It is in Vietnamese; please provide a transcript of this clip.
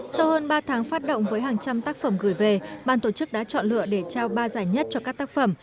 sau hơn ba tháng phát động với hàng trăm tác phẩm gửi về ban tổ chức đã chọn lựa để trao ba giải nhất cho các tác phẩm